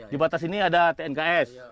di batas ini ada tnks